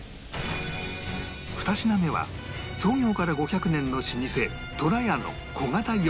２品目は創業から５００年の老舗